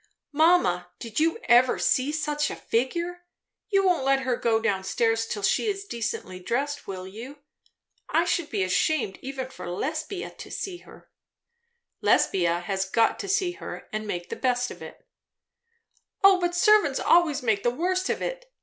"Mamma, did you ever see such a figure? You won't let her go down stairs till she is decently dressed, will you? I should be ashamed for even Lesbia to see her." "Lesbia has got to see her and make the best of it." "O but servants always make the worst of it.